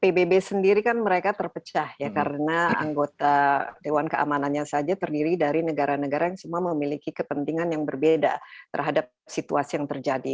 pbb sendiri kan mereka terpecah ya karena anggota dewan keamanannya saja terdiri dari negara negara yang semua memiliki kepentingan yang berbeda terhadap situasi yang terjadi